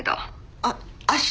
あっ明日？